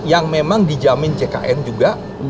yang memang dijamin jkn juga